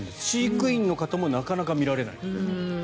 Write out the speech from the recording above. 飼育員の方もなかなか見られない。